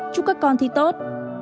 chúc các con thi tốt